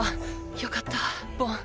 よかったボン。